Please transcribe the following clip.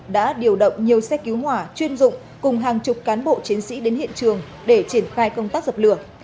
đã điều động nhiều xe cứu hỏa chuyên dụng cùng hàng chục cán bộ chiến sĩ đến hiện trường để triển khai công tác dập lửa